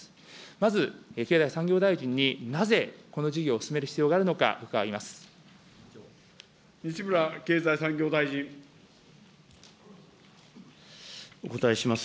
まず、経済産業大臣に、なぜこの事業を進める必要があるのか伺います。